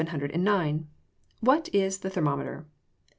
709. _What is the thermometer?